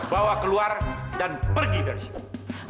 bawa keluar dan pergi dari situ